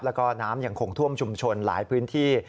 แล้วก็น้ำยังคงท่วมชุมชนหลายพื้นที่